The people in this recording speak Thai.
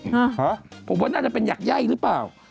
ฮะผมว่าน่าจะเป็นหยักไย่หรือเปล่า